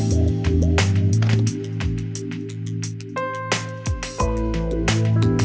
อย่ามีโปรดติดตามตอนต่อไป